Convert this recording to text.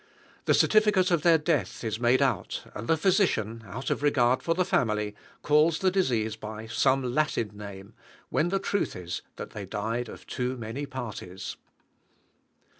The certificate of their death is made out, and the physician, out of regard for the family, calls the disease by some Latin name, when the truth is that they died of too many parties.